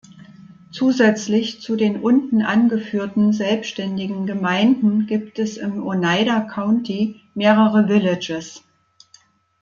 Zusätzlich zu den unten angeführten selbständigen Gemeinden gibt es im Oneida County mehrere "villages".